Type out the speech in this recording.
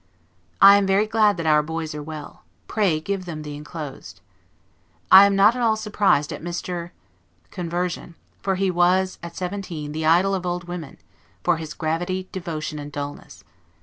I am very glad that our boys are well. Pray give them the inclosed. I am not at all surprised at Mr. 's conversion, for he was, at seventeen, the idol of old women, for his gravity, devotion, and dullness.